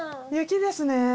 雪ですね。